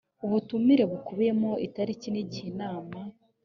ubutumire bukubiyemo itariki n igihe inama